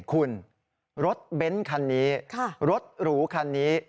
คุณรถเบ้นคันนี้รถหรูคันนี้